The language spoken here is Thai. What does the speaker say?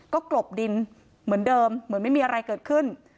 ก็กลบดินเหมือนเดิมเหมือนไม่มีอะไรเกิดขึ้น